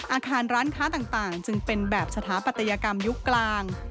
อาคารร้านค้าต่างจึงเป็นแบบสถาปัตยกรรมยุคกลาง